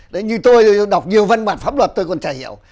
đấy như tôi đọc nhiều văn bản pháp luật tôi còn chả hiểu